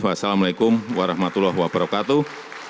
wassalamu'alaikum warahmatullahi wabarakatuh